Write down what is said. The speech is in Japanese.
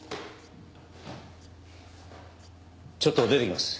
ちょっと出てきます。